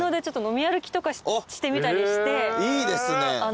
いいですね。